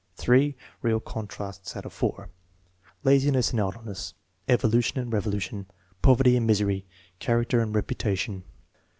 (3 real contrasts out of 4.) Laziness and idleness; evolution and revolution; poverty and misery; character and reputation.